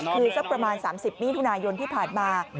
คือสักประมาณ๓๐มิถุนายนที่ผ่านมา